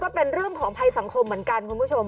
เป็นเรื่องของภัยสังคมเหมือนกันคุณผู้ชม